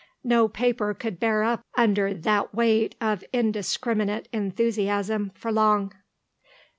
No paper could bear up under that weight of indiscriminate enthusiasm for long."